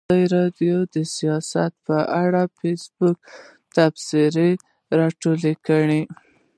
ازادي راډیو د سیاست په اړه د فیسبوک تبصرې راټولې کړي.